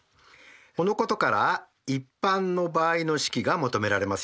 このことから一般の場合の式が求められますよね。